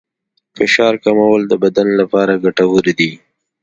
فشار کمول د بدن لپاره ګټور دي.